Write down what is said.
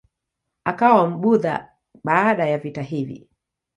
Akawa Mbudha baada ya vita hivi.